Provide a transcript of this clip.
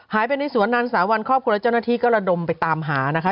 ไปในสวนนาน๓วันครอบครัวและเจ้าหน้าที่ก็ระดมไปตามหานะคะ